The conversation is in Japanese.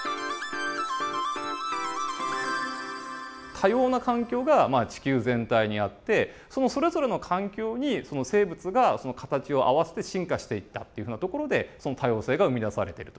多様な環境が地球全体にあってそのそれぞれの環境に生物が形を合わせて進化していったっていうふうなところで多様性が生み出されてると。